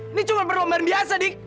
ini cuma perlombaan biasa nih